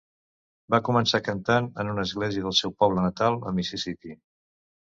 Va començar cantant en una església del seu poble natal a Mississipí.